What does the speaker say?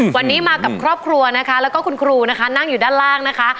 วันนี้มากับครอบครัวนะคะแล้วก็คุณครูนะคะนั่งอยู่ด้านล่างนะคะ